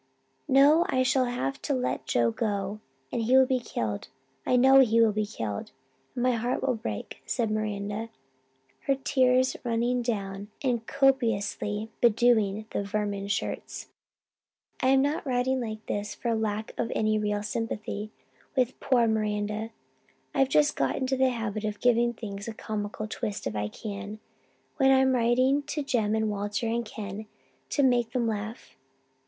"'No, I shall just have to let Joe go, and he will be killed I know he will be killed and my heart will break,' said Miranda, her tears running down and copiously bedewing the vermin shirts! "I am not writing like this for lack of any real sympathy with poor Miranda. I've just got into the habit of giving things a comical twist if I can, when I'm writing to Jem and Walter and Ken, to make them laugh.